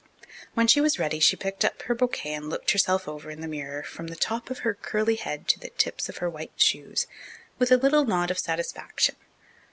When she was ready she picked up her bouquet and looked herself over in the mirror, from the top of her curly head to the tips of her white shoes, with a little nod of satisfaction.